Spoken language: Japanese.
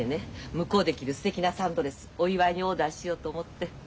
向こうで着るすてきなサンドレスお祝いにオーダーしようと思って。